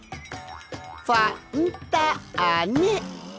「ファ・ン・タ・ー・ネ」